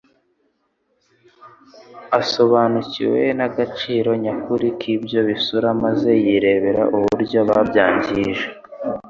Asobanukiwe n'agaciro nyakuri k'ibyo bisura maze yirebera uburyo babyangije,